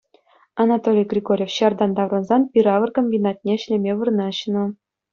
Анатолий Григорьев ҫартан таврӑнсан пир-авӑр комбинатне ӗҫлеме вырнаҫнӑ.